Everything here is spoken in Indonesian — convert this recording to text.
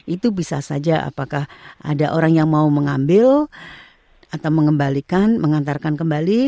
itu bisa saja apakah ada orang yang mau mengambil atau mengembalikan mengantarkan kembali